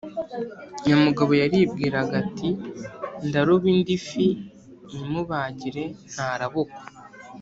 Nyamugabo yaribwiraga ati: “Ndaroba indi fi nyimubagire ntarabukwa.”